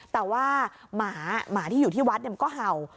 แต่ว่าหมาหมาที่อยู่ที่วัดมันก็เห่า